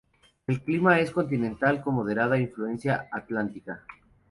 El clima es continental con moderada influencia atlántica.